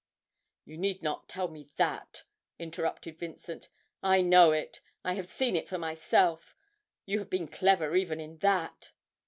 'You need not tell me that,' interrupted Vincent; 'I know it. I have seen it for myself you have been clever even in that!'